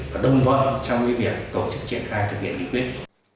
và đồng do trong việc tổ chức triển khai thực hiện lý quyết